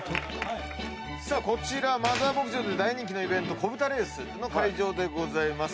こちらマザー牧場で大人気のイベントこぶたレースの会場でございます。